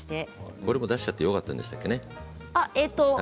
これもう出しちゃってよかったんでしたっけね？